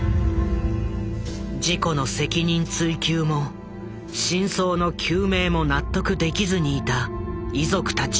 事故の責任追及も真相の究明も納得できずにいた遺族たち。